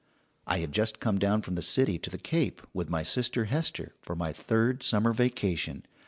I had just come down from the city to the Cape with my sister Hester for my third summer vacation.